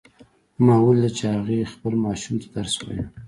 ما ولیدل چې هغې خپل ماشوم ته درس وایه